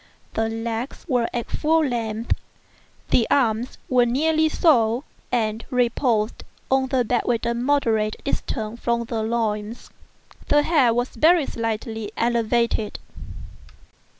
The legs were at full length; the arms were nearly so, and reposed on the bed at a moderate distance from the loin. The head was very slightly elevated.